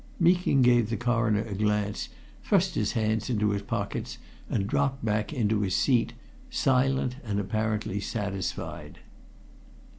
Meeking gave the Coroner a glance, thrust his hands into his pockets, and dropped back into his seat silent and apparently satisfied.